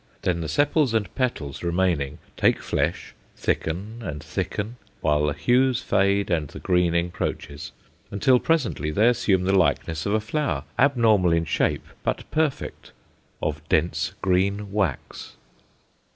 Then the sepals and petals remaining take flesh, thicken and thicken, while the hues fade and the green encroaches, until, presently, they assume the likeness of a flower, abnormal in shape but perfect, of dense green wax.